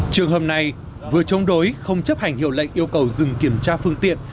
trường hợp này vừa chống đối không chấp hành hiệu lệnh yêu cầu dừng kiểm tra phương tiện